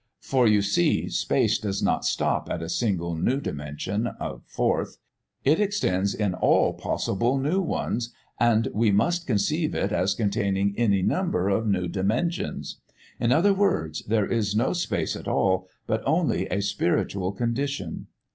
For, you see, space does not stop at a single new dimension, a fourth. It extends in all possible new ones, and we must conceive it as containing any number of new dimensions. In other words, there is no space at all, but only a spiritual condition.